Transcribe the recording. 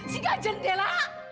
si gajeng ya lah